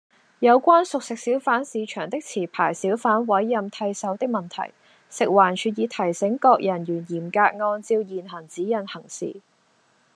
有關熟食小販市場的持牌小販委任替手的問題，食環署已提醒各人員嚴格按照現行指引行事